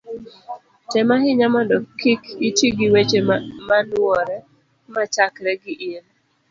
tem ahinya mondo kik iti gi weche maluwore machakre gi in